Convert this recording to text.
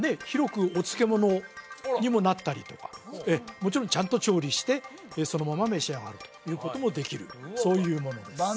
広くお漬物にもなったりとかもちろんちゃんと調理してそのまま召し上がるということもできるそういうものです